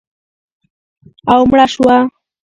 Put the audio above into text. او مړه شوه